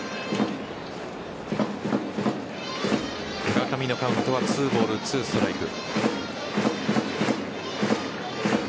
村上のカウントは２ボール２ストライク。